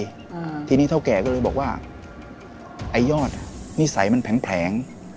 อ่าทีนี้เท่าแก่ก็เลยบอกว่าไอ้ยอดอ่ะนิสัยมันแผลงแผลง